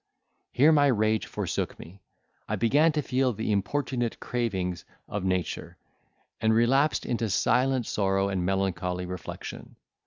Here my rage forsook me: I began to feel the importunate cravings of nature, and relapsed into silent sorrow and melancholy reflection.